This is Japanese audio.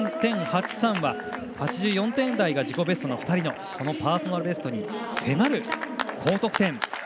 ８３．８３は８４点台が自己ベストの２人のそのパーソナルベストに迫る高得点。